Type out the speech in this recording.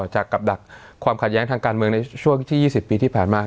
ช่วงที่๒๐ปีที่ผ่านมา